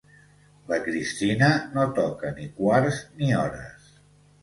La Cristina no toca ni quarts ni hores.